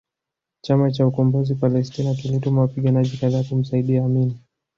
Chama cha Ukombozi Palestina kilituma wapiganaji kadhaa kumsaidia Amin